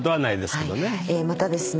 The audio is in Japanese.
またですね